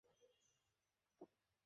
আর আজ রাতে আমি ওকে বিয়ের প্রস্তাব দেবো।